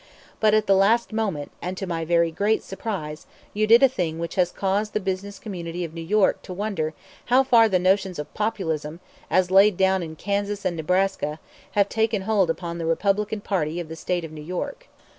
But at the last moment, and to my very great surprise, you did a thing which has caused the business community of New York to wonder how far the notions of Populism, as laid down in Kansas and Nebraska, have taken hold upon the Republican party of the State of New York."